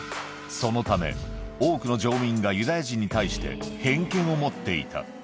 そのため、多くの乗務員がユダヤ人に対して偏見を持っていた。